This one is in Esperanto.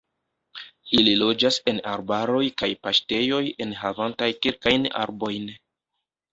Ili loĝas en arbaroj kaj paŝtejoj enhavantaj kelkajn arbojn.